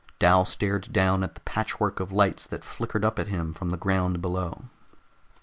Dal stared down at the patchwork of lights that flickered up at him from the ground below.